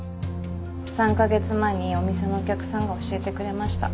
３カ月前にお店のお客さんが教えてくれました。